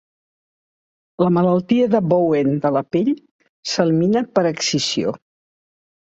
La malaltia de Bowen de la pell s'elimina per excisió.